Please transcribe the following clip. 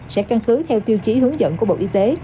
sẽ căn cứ theo tiêu chí hướng dẫn của bộ y tế